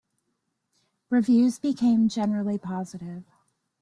Reviews became generally positive.